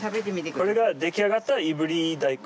これが出来上がったいぶり大根？